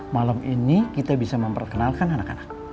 malam ini kita bisa memperkenalkan anak anak